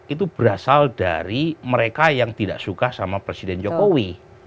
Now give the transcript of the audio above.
itu berasal dari mereka yang tidak suka sama presiden jokowi